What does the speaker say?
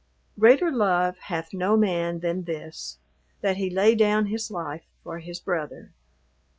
"Greater love hath no man than this: that he lay down his life for his brother."